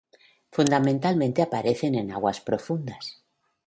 Fundamentalmente aparecen en aguas profundas.